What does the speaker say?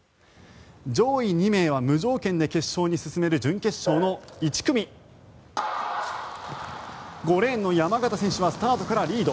上位２名は無条件に決勝に進める準決勝の１組５レーンの山縣選手はスタートからリード。